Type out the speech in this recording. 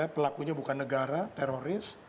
pelakunya bukan negara teroris